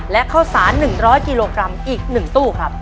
และข้าวสาร๑๐๐กิโลกรัมอีก๑ตู้ครับ